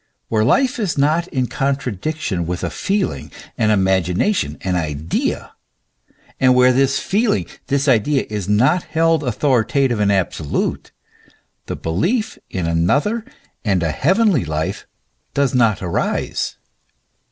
Where life is not in contra diction with a feeling, an imagination, an idea, and where this feeling, this idea, is not held authoritative and absolute, the belief in another and a heavenly life does not arise.